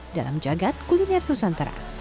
dalam jagad kuliner nusantara